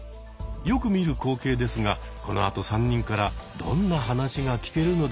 よく見る光景ですがこのあと３人からどんな話が聞けるのでしょうか。